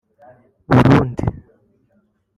Burundi)